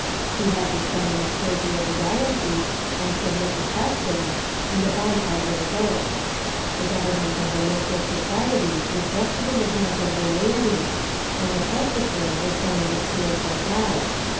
He had to sum mon the clergy of the diocese and submit the questions, and abide by their vote. The government of the local society was vested in the hands of the laity, and the presbyter was only the spiritual guide.